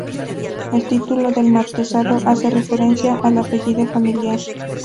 El título del marquesado hace referencia al apellido familiar.